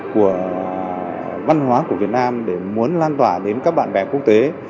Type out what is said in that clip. của văn hóa của việt nam để muốn lan tỏa đến các bạn bè quốc tế